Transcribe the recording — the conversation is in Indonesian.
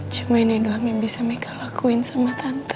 cuma ini doang yang bisa mereka lakuin sama tante